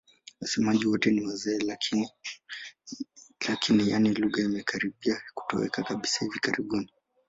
Wasemaji wote ni wazee lakini, yaani lugha imekaribia kutoweka kabisa hivi karibuni.